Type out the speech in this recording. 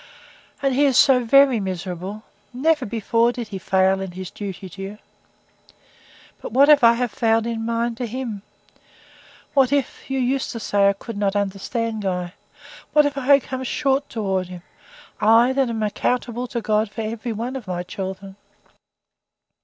"And he is so very miserable. Never before did he fail in his duty to you." "But what if I have failed in mine to him? What if you used to say I could not understand Guy what if I have come short towards him? I, that am accountable to God for every one of my children."